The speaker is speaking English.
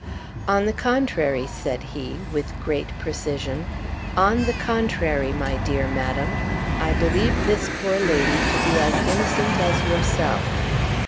"On the contrary," said he, with great precision; "on the contrary, my dear madam, I believe this poor lady to be as innocent as yourself."